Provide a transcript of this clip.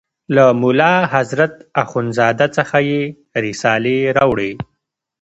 له ملا حضرت اخوند زاده څخه یې رسالې راوړې.